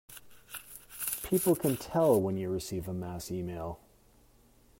People can tell when you receive a mass email.